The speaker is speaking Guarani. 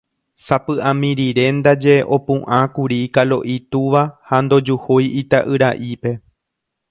Sapy'ami rire ndaje opu'ãkuri Kalo'i túva ha ndojuhúi ita'yra'ípe.